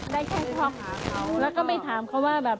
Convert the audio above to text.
ได้แค่ท็อกหาเขาแล้วก็ไปถามเขาว่าแบบ